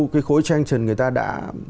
cái khối trang trình người ta đã